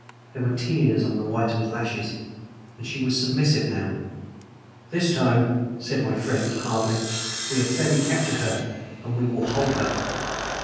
There were tears on the whitened lashes, and she was submissive now. "This time," said my friend hardly, "we have fairly captured her and we will hold her."